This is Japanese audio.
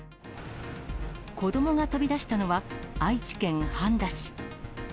子どもが飛び出したのは、愛知県半田市。